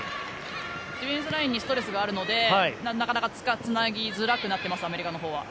ディフェンスラインにストレスがあるので、なかなかつなぎづらくなっています